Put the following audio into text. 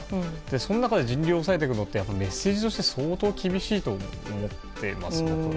その中で人流を抑えていくのはメッセージとして相当、厳しいと思っています。